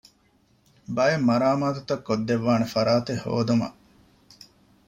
ބައެއް މަރާމާތުތައް ކޮށްދެއްވާނެ ފަރާތެއް ހޯދުމަށް